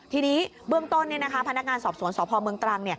ทีนี้เบื้องต้นพนักงานสอบสวนสพเมืองตรัง